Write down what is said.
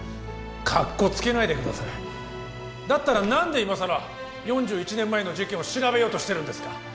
かっこつけないでくださいだったら何で今さら４１年前の事件を調べようとしてるんですか？